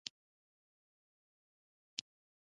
ایا مصنوعي ځیرکتیا د ځان پېژندنې پوښتنه نه ژوره کوي؟